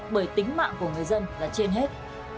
bởi tính mạng của người dân là trên hết